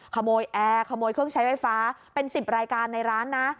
แอร์ขโมยเครื่องใช้ไฟฟ้าเป็น๑๐รายการในร้านนะ